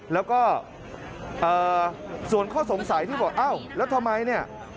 แล้วก็ส่วนข้อสงสัยที่บอกอ้าวแล้วทำไมเนี่ย